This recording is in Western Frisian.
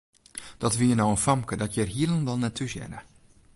Dat wie no in famke dat hjir hielendal net thúshearde.